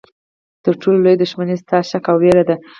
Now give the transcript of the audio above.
تر ټولو لویه دښمني ستا شک او ویره ده.